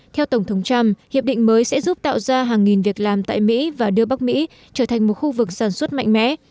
theo tổng thống trump hiệp định mới sẽ giúp tạo ra hàng nghìn việc làm tại mỹ và đưa bắc mỹ trở thành một khu vực sản xuất mạnh mẽ